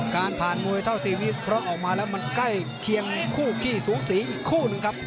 การผ่านมวยเท่าที่วิเคราะห์ออกมาแล้วมันใกล้เคียงคู่ขี้สูสีอีกคู่หนึ่งครับ